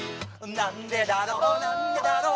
「なんでだろうなんでだろう」